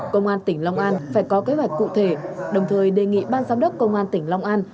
công an tỉnh long an phải có kế hoạch cụ thể đồng thời đề nghị ban giám đốc công an tỉnh long an